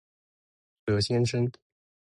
德先生